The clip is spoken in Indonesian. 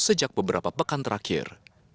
sejak beberapa pekan terakhir